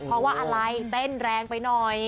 เพราะว่าอะไรเต้นแรงไปหน่อย